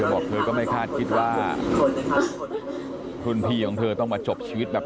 บอกเธอก็ไม่คาดคิดว่ารุ่นพี่ของเธอต้องมาจบชีวิตแบบ